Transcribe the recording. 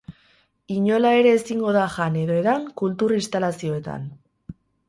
Inola ere ezingo da jan edo edan kultur-instalazioetan.